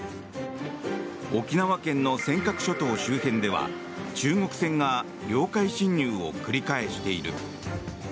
沖縄県の尖閣諸島周辺では中国船が領海侵入を繰り返している。